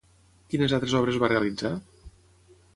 Quines altres obres va realitzar?